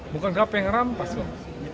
bukan kap yang merampas pak